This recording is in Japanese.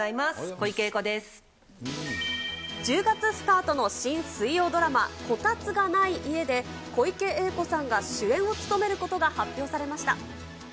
小池栄１０月スタートの新水曜ドラマ、コタツがない家で、小池栄子さんが主演を務めることが発表されました。